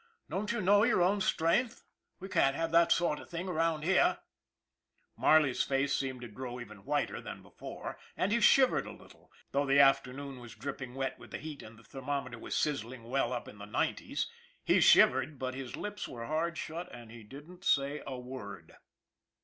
Don't you know your own strength ? We can't have that sort of thing around here/' Marley's face seemed to grow even whiter than be fore and he shivered a little, though the afternoon was dripping wet with the heat and the thermometer was sizzling well up in the nineties he shivered but his lips were hard shut and he didn't say a word.